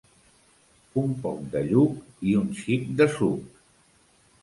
Un poc de lluc i un xic de suc.